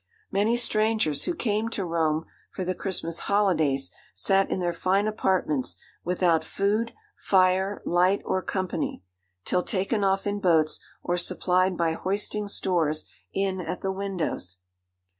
Many strangers, who came to Rome for the Christmas holidays, sat in their fine apartments without food, fire, light, or company, till taken off in boats or supplied by hoisting stores in at the windows.